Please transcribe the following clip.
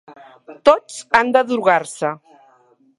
Tots han de drogar-se.